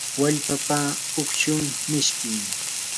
wallpapa ukshun mishkim.